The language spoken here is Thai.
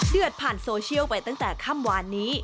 เดือดผ่านโซเชียลไปตั้งแต่ค่ำวานนี้